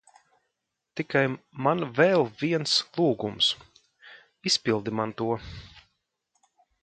Tikai man vēl viens lūgums. Izpildi man to.